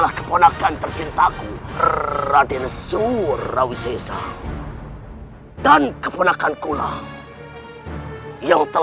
aku tidak mau berurusan dengan wanita